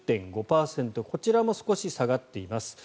こちらも少し下がっています。